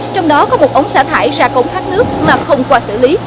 trong đó có một ống xả thải ra cổng thắt nước mà không qua xử lý